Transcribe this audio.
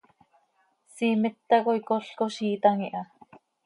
Siimet tacoi col coziiitam iha.